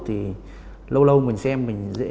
thì lâu lâu mình xem mình dễ